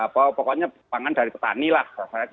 bahwa pokoknya pangan dari petani lah